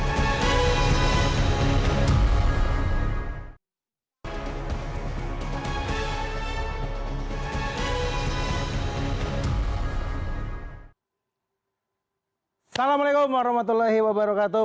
assalamualaikum warahmatullahi wabarakatuh